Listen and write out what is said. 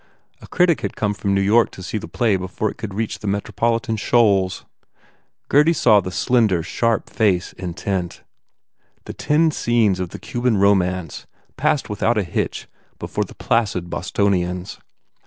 A critic had come from New York to see this play before it should reach the metropolitan shoals. Gurdy saw the slender, sharp face intent. The ten scenes of the Cuban romance passed without a hitch before the placid Bostonians.